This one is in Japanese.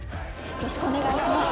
よろしくお願いします。